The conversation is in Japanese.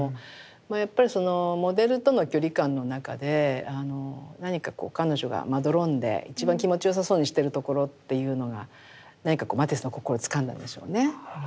まあやっぱりそのモデルとの距離感の中で何かこう彼女がまどろんで一番気持ちよさそうにしてるところっていうのが何かこうマティスの心をつかんだんでしょうね。